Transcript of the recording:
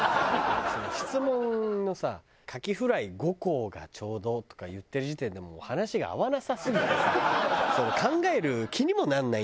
その質問のさ「カキフライ５個がちょうど」とか言ってる時点でもう話が合わなさすぎてさ考える気にもならないんだよね。